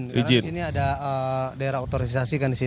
karena di sini ada daerah otorisasi kan di sini